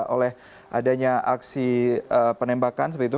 oleh adanya aksi penembakan seperti itu